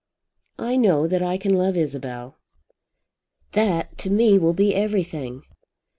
I know that I can love Isabel." "That to me will be everything."